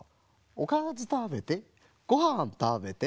おかずたべてごはんたべて」